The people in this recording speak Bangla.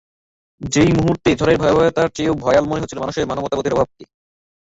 যেই মুহূর্তে ঝড়ের ভয়াবহতার চেয়েও ভয়াল মনে হচ্ছিল মানুষের মানবতাবোধের অভাবকে।